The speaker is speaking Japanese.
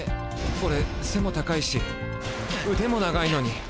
オレ背も高いし腕も長いのに。